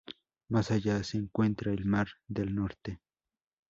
Más allá se encuentra el Mar del Norte.